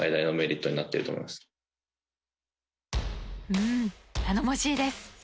うーん、頼もしいです。